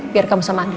biar kamu sama andin